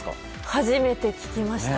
初めて聞きました。